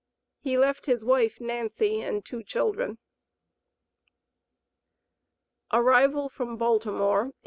He left his wife, Nancy, and two children. ARRIVAL FROM BALTIMORE, 1858.